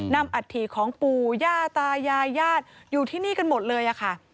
อัฐิของปู่ย่าตายายญาติอยู่ที่นี่กันหมดเลยค่ะ